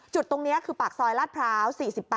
จุดตรงนี้คือปากซอยลาดพร้าว๔๘